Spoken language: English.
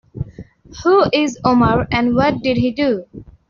Who is Omar and what did he do?